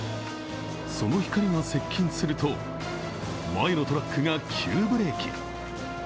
その光が接近すると前のトラックが急ブレーキ。